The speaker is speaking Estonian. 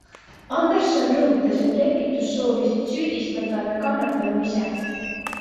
Anderson rõhutas, et lepitust soovisid süüdistatav ja kannatanu ise.